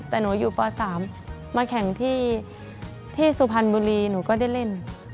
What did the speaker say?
แต่หนูอยู่ป๓มาแข่งที่สุพรรณบุรีหนูก็ได้เล่น